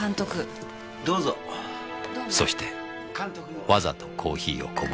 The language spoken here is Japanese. そしてわざとコーヒーをこぼし。